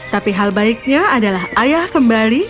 tapi hal baiknya adalah ayah kembali